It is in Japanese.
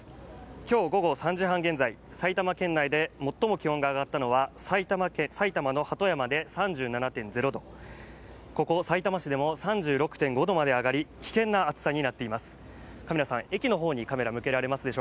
今日午後３時半現在、埼玉県内で最も気温が上がったのは埼玉の鳩山で３７．０度ここ、さいたま市でも３６．５度まで上がり、危険な暑さになっています。